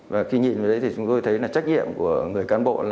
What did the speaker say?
và khi nhìn vào đấy thì chúng tôi thấy là trách nhiệm của người cán bộ là